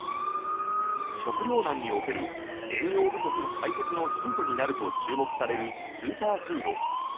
食料難における栄養不足解決のヒントになると注目されるスーパーフード。